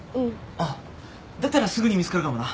あっだったらすぐに見つかるかもな。